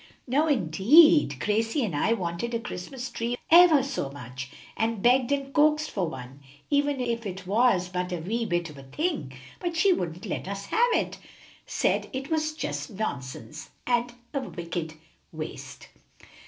"No, indeed! Gracie and I wanted a Christmas tree ever so much, and begged and coaxed for one, even if it was but a wee bit of a thing; but she wouldn't let us have it, said it was just nonsense and a wicked waste."